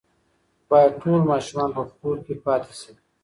باید ټول ماشومان په کور کې پاتې شي.